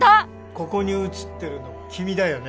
ここに写ってるの君だよね？